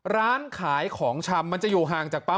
ร้านขายของชำมันจะอยู่ห่างจากปั๊ม